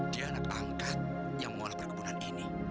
dia anak angkat yang mengolah perkebunan ini